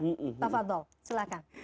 bapak fadl silahkan